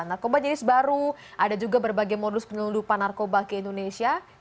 narkoba jenis baru ada juga berbagai modus penyelundupan narkoba ke indonesia